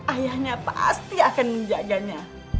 ayahnya pasti akan menjaganya